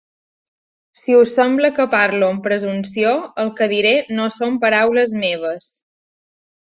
Si us sembla que parlo amb presumpció, el que diré no són paraules meues